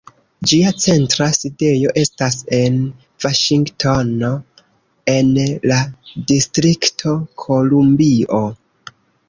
Ĝia centra sidejo estas en Vaŝingtono, en la Distrikto Kolumbio.